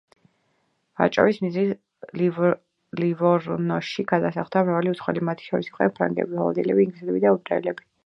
ვაჭრობის მიზნით ლივორნოში გადასახლდა მრავალი უცხოელი, მათ შორის იყვნენ ფრანგები, ჰოლანდიელები, ინგლისელები და ებრაელები.